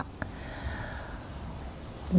dia diperlakukan disana sebagai abdi dalem